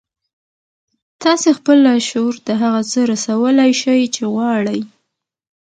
تاسې خپل لاشعور ته هغه څه رسولای شئ چې غواړئ